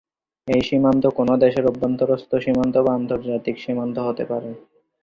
এই সীমান্ত কোনো দেশের অভ্যন্তরস্থ সীমান্ত বা আন্তর্জাতিক সীমান্ত হতে পারে।